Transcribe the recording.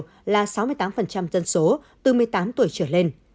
tỷ lệ bao phủ ít nhất một liều là sáu mươi tám dân số từ một mươi tám tuổi trở lên